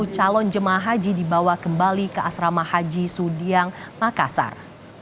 dua puluh calon jemaah haji dibawa kembali ke asrama haji sudiang makassar